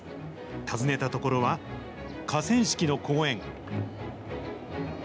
訪ねた所は、河川敷の公園。